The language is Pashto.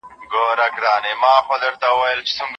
ایا تاسي د خپل هېواد په کلتوري وزارت کې کار کوئ؟